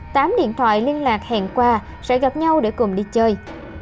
tám điện thoại liên lạc hẹn qua sẽ gặp nhau để cùng đi chơi